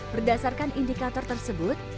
berdasarkan indikator tersebut